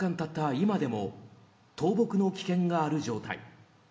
今でも倒木の危険がある状態。